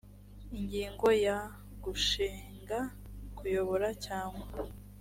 ingingo ya gushinga kuyobora cyangwa